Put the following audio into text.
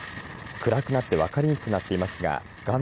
暗くなって分かりにくくなっていますが画面